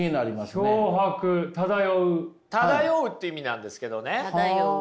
漂うっていう意味なんですけどね。